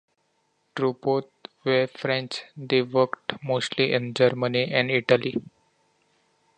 Though both were French, they worked mostly in Germany and Italy.